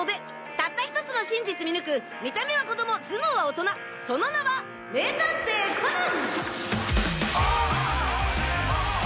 たった１つの真実見抜く見た目は子供頭脳は大人その名は名探偵コナン！